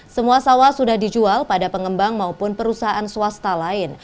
semua sawah sudah dijual pada pengembang maupun perusahaan swasta lain